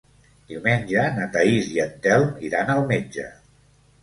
Diumenge na Thaís i en Telm iran al metge.